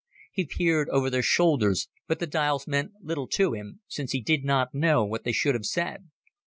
He peered over their shoulders, but the dials meant little to him, since he did not know what they should have said.